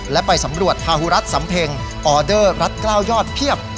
และไปสำรวจภาหุรัฐสำเพ็งออเดอร์รัฐ๙ยอดเพียบ